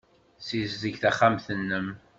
Ssizdeg taxxamt-nnem.